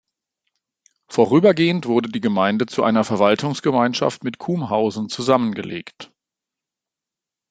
Vorübergehend wurde die Gemeinde zu einer Verwaltungsgemeinschaft mit Kumhausen zusammengelegt.